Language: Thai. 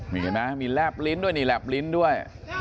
มีนะมีแลบลิ้นด้วย